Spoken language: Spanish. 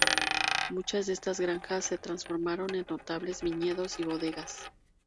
Muchas de estas granjas se transformaron en notables viñedos y bodegas.